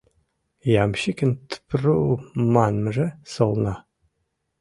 Ямщикын тпр-ру! манмыже солна.